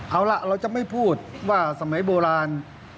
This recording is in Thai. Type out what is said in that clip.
เอาล่ะเราจะไม่พูดว่าสมัยโบราณ